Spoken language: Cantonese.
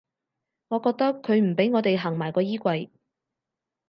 我覺得佢唔畀我地行埋個衣櫃